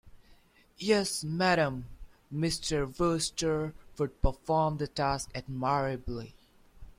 Yes, madam, Mr. Wooster would perform the task admirably.